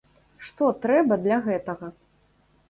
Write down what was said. Што трэба для гэтага?